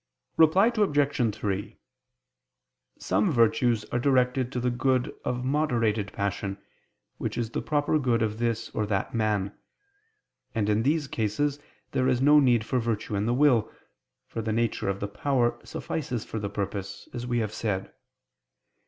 Reply Obj. 3: Some virtues are directed to the good of moderated passion, which is the proper good of this or that man: and in these cases there is no need for virtue in the will, for the nature of the power suffices for the purpose, as we have said.